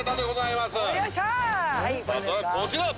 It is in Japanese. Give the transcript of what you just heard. まずはこちら！